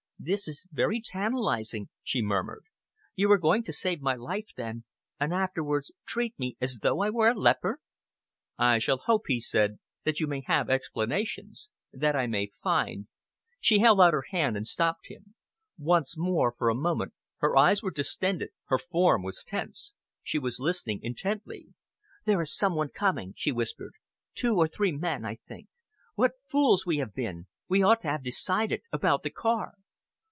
"This is very tantalising," she murmured. "You are going to save my life, then, and afterwards treat me as though I were a leper?" "I shall hope," he said, "that you may have explanations that I may find " She held out her hand and stopped him. Once more, for a moment, her eyes were distended, her form was tense. She was listening intently. "There is some one coming," she whispered "two or three men, I think. What fools we have been! We ought to have decided about the car."